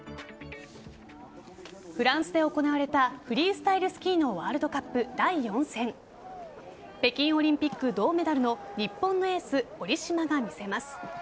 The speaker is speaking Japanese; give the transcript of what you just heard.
フランスで行われたフリースタイルスキーのワールドカップ第４戦北京オリンピック銅メダルの日本のエース・堀島が見せます。